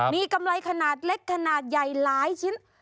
มีกำไรขนาดเล็กขนาดใหญ่หลายชิ้น